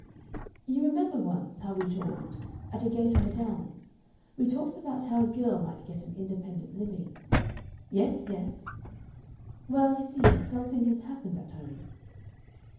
"You remember once, how we talked at a gate on the Downs? We talked about how a girl might get an independent living." "Yes, yes." "Well, you see, something has happened at home."